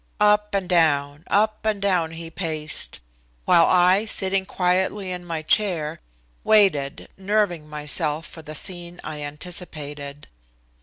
Up and down, up and down he paced, while I, sitting quietly in my chair, waited, nerving myself for the scene I anticipated.